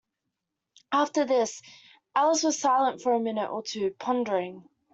After this, Alice was silent for a minute or two, pondering.